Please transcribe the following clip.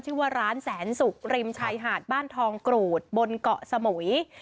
ชื่อว่าร้านแสนสุกริมชายหาดบ้านทองกรูดบนเกาะสมุย